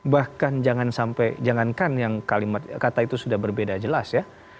bahkan jangan sampai jangankan yang kalimat kata itu sudah berbeda jelas ya